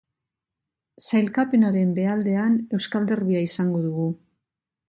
Sailkapenaren behealdean euskal derbia izango dugu.